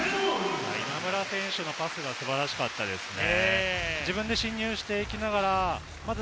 今村選手のパスが素晴らしかったですね。